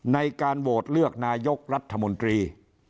ในการโหวตเลือกนายกรัฐมนตรี